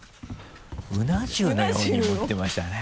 うな重のように持ってましたね。